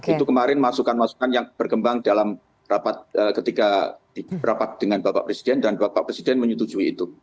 itu kemarin masukan masukan yang berkembang dalam rapat ketika di rapat dengan bapak presiden dan bapak presiden menyetujui itu